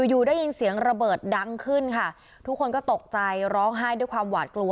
อยู่ได้ยินเสียงระเบิดดังขึ้นค่ะทุกคนก็ตกใจร้องไห้ด้วยความหวาดกลัว